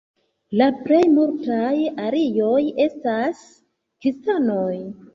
La plej multaj arioj estas kristanoj.